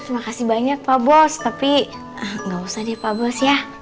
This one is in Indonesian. terima kasih banyak pak bos tapi gak usah deh pak bos ya